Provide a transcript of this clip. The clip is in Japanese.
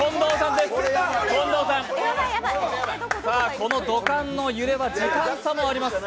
この土管の揺れは時間差もあります。